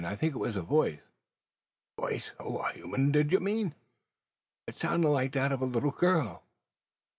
I think it was a voice." "Voice o' a human, do ye mean?" "It sounded like that of a little girl."